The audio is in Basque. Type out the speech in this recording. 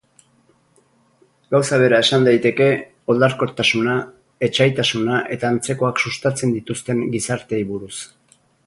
Gauza bera esan daiteke oldarkortasuna, etsaitasuna eta antzekoak sustatzen dituzten gizarteei buruz.